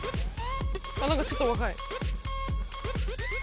何かちょっと若い。